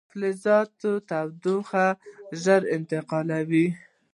فلزات تودوخه ژر انتقالوي.